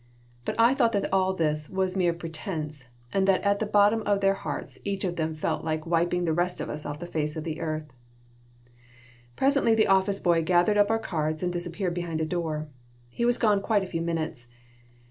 But I thought that all this was mere pretense, and that at the bottom of their hearts each of them felt like wiping the rest of us off the face of the earth Presently the office boy gathered up our cards and disappeared behind a door. He was gone quite a few minutes.